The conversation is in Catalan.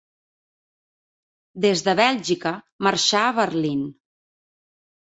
Des de Bèlgica, marxà a Berlín.